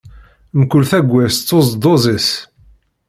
Mkul tagwest s uzduz is.